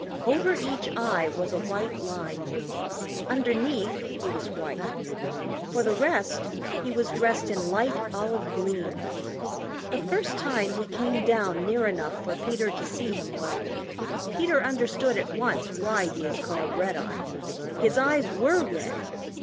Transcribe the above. Over each eye was a white line. Underneath he was white. For the rest he was dressed in light olive green. The first time he came down near enough for Peter to see him well Peter understood at once why he is called Redeye. His eyes were red.